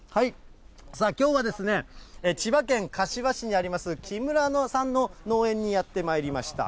きょうは、千葉県柏市にあります木村さんの農園にやってまいりました。